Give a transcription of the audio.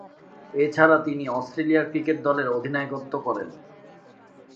এছাড়াও তিনি Australia cricket দলের অধিনায়কত্ব করেন।